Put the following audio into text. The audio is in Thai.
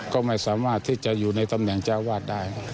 ก็ไม่สามารถที่จะอยู่ในตำแหน่งเจ้าวาดได้